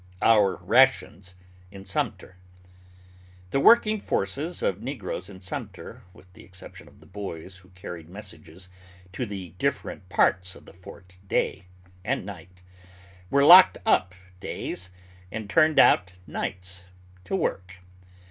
OUR RATIONS IN SUMTER. The working forces of negroes in Sumter with the exception of the boys who carried messages to the different parts of the fort day and night, were locked up days, and turned out nights, to work.